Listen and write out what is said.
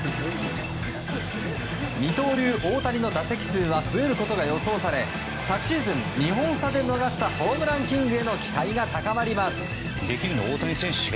二刀流・大谷の打席数は増えることが予想され昨シーズン、２本差で逃したホームランキングへの期待が高まります。